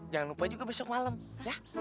jangan lupa juga besok malam ya